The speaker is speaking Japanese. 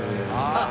あっ。